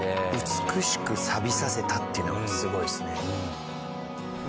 美しくさびさせたっていうのがすごいですね。